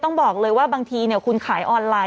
ต้องบอกเลยว่าบางทีคุณขายออนไลน์